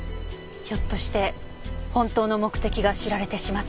ひょっとして本当の目的が知られてしまったのかも。